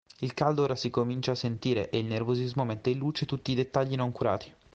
Il caldo ora si comincia a sentire e il nervosismo mette in luce tutti i dettagli non curati.